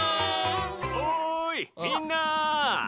・おいみんな！